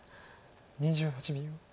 ２８秒。